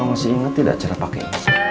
masih ingat tidak cara pakai